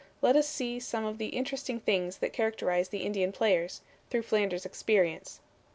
Let us see some of the interesting things that characterize the Indian players, through Flanders' experience.